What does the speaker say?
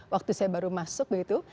waktu saya baru masuk begitu